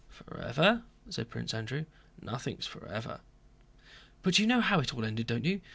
"Forever?" said Prince Andrew. "Nothing's forever." "But you know how it all ended, don't you?